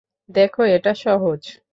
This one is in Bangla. দেখো, এটা সহজ।